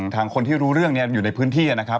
ทางคนที่รู้เรื่องอยุ่ในพื้นที่เนี่ยนะครับ